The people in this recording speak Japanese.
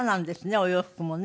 お洋服もね。